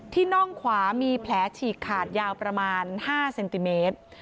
น่องขวามีแผลฉีกขาดยาวประมาณ๕เซนติเมตร